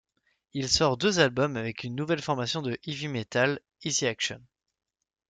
Il sort deux albums avec une nouvelle formation de Heavy Metal, Easy Action.